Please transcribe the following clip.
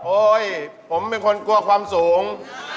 ผมเป็นคนกลัวความสูง